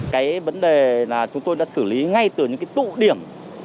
cái vấn đề là chúng tôi đã xử lý ngay từ những cái tụ điểm